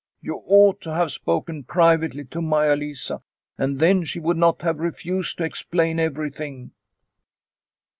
You ought to have spoken privately to Maia Lisa, and then she would not have refused to explain everything."